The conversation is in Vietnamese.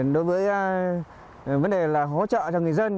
đối với vấn đề là hỗ trợ cho người dân